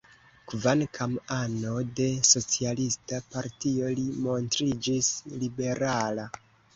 Kvankam ano de socialista partio li montriĝis liberala.